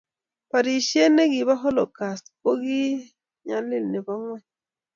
Borishe ne kibo Holocuast ko ki nyalil ne bo ng'ony.